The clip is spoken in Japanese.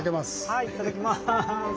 はいいただきます。